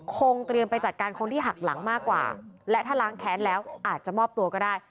คงเตรียมไปจัดการคนที่หักหลังมากกว่าและถ้าล้างแค้นแล้วอาจจะมอบตัวก็ได้